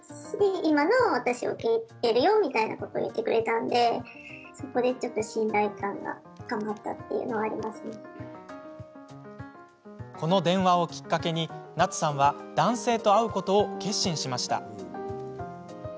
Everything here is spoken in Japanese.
電話でこの電話をきっかけにナツさんは男性と会うことを決心しました。